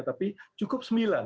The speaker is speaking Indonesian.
tapi cukup sembilan